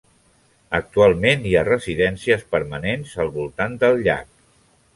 Actualment hi ha residències permanents al voltant del llac.